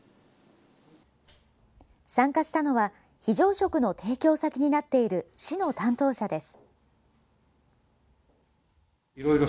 参加したのは非常食の提供先になっている市の担当者です。